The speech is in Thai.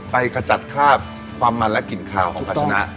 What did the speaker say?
ไปกระจัดคราบความมันและกลิ่นคลาวของพาชนะ